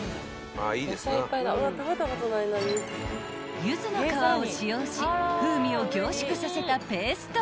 ［ゆずの皮を使用し風味を凝縮させたペーストをオン］